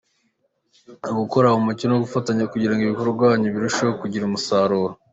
Ni ugukorera mu mucyo no gufatanya kugira ngo ibikorwa byacu birusheho kugira umusaruro.